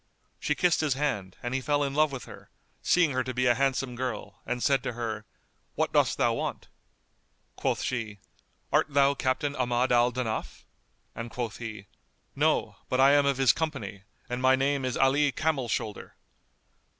She kissed his hand; and he fell in love with her, seeing her to be a handsome girl, and said to her, "What dost thou want?" Quoth she, "Art thou Captain Ahmad al Danaf?"; and quoth he, "No, but I am of his company and my name is Ali Camel shoulder."